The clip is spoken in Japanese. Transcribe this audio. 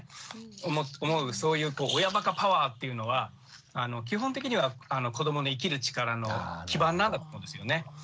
そういう親ばかパワーっていうのは基本的には子どもの生きる力の基盤なんだと思うんですよね。